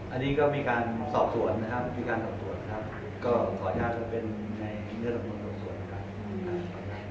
อ๋ออันนี้ก็มีการสอบสวนนะครับมีการสอบสวนนะครับก็ขออนุญาตจะเป็นในเนื้อตำรวจสวนนะครับ